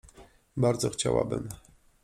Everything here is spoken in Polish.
Bardzo chciałabym.